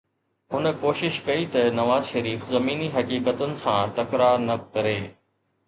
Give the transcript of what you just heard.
هن ڪوشش ڪئي ته نواز شريف زميني حقيقتن سان ٽڪراءُ نه ڪري.